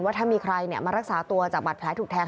ว่าถ้ามีใครมารักษาตัวจากบัตรแผลถูกแทง